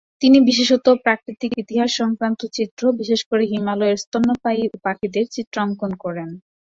তিনি বিশেষত প্রাকৃতিক ইতিহাস সংক্রান্ত চিত্র, বিশেষ করে হিমালয়ের স্তন্যপায়ী ও পাখিদের চিত্র অঙ্কন করেন।